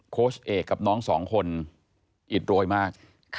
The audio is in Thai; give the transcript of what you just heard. โค้ชเอกกับน้องสองคนอิดโรยมาก